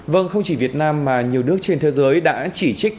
vâng không chỉ việt nam mà nhiều nước trên thế giới đã chỉ trích